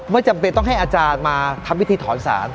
ไม่จำเป็นต้องให้อาจารย์มาทำพิธีถอนสาร